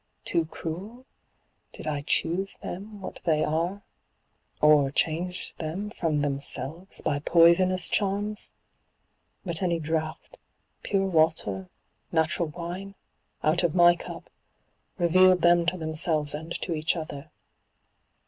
Too cruel? Did I choose them what they are? or change them from themselves by poisonous charms? But any draught, pure water, natural wine, out of my cup, revealed them to themselves and to each other.